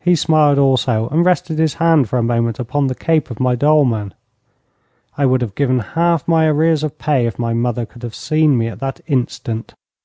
He smiled also, and rested his hand for a moment upon the cape of my dolman. I would have given half my arrears of pay if my mother could have seen me at that instant.